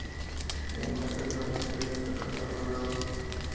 Se encuentra actualmente descatalogado.